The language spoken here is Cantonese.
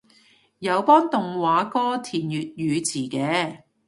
有幫動畫歌填粵語詞嘅